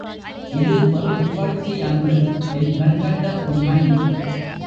இது வெறும் புகழ்ச்சியன்று என் கண்கண்ட உண்மை.